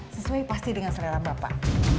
sesuai pasti dengan selera bapak